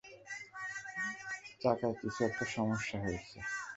চাকায় কিছু একটা সমস্যা হয়েছে।